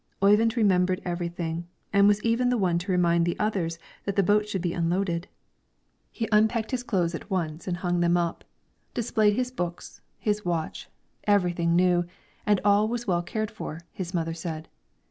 Oyvind remembered everything, and was even the one to remind the others that the boat should be unloaded. He unpacked his clothes at once and hung them up, displayed his books, his watch, everything new, and all was well cared for, his mother said.